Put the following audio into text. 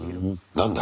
何だ？